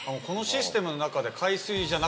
このシステムの中で。